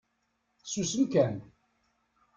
Susem kan!